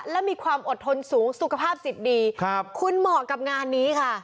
และมีความอดทนสูงสุขภาพจิตดีครับคุณเหมาะกับงานนี้ค่ะ